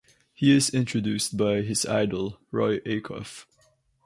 He is introduced by his idol Roy Acuff.